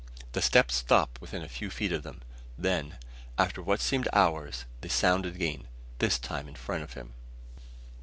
The steps stopped within a few feet of them; then, after what seemed hours, they sounded again, this time in front of him.